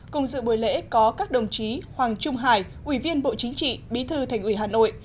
cùng dự buổi lễ có các đồng chí hoàng trung hải ủy viên bộ chính trị bí thư thành ủy hà nội